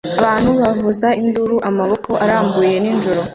Abantu bavuza induru amaboko arambuye nijoro